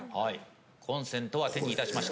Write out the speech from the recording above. コンセントは手にいたしました。